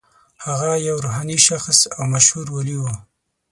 هغه یو روحاني شخص او مشهور ولي و.